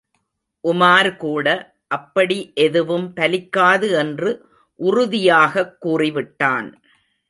உமார் கூட அப்படி எதுவும் பலிக்காது என்று உறுதியாகக் கூறிவிட்டான்.